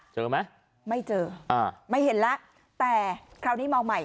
เจอไหมไม่เจออ่าไม่เห็นแล้วแต่คราวนี้เมาใหม่